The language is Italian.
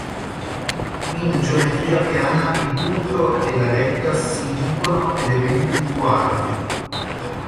In geometria piana il punto e la retta si dicono elementi duali.